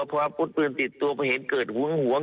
เพราะอาวุธปืนติดตัวเห็นเกิดหึงหวง